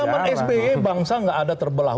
di zaman sby bangsa nggak ada terbelah